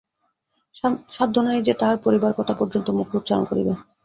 সাধ্য নাই যে, তাহার পড়িবার কথা পর্যন্ত মুখে উচ্চারণ করে।